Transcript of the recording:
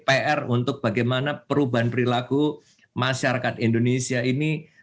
pr untuk bagaimana perubahan perilaku masyarakat indonesia ini